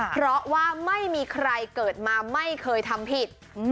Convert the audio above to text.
เพราะว่าไม่มีใครเกิดมาไม่เคยทำผิด